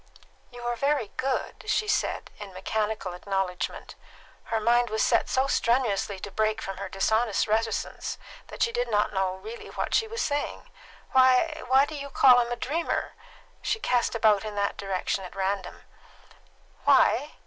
"You are very good," she said, in mechanical acknowledgment: her mind was set so strenuously to break from her dishonest reticence that she did not know really what she was saying. "Why why do you call him a dreamer?" She cast about in that direction at random. "Why?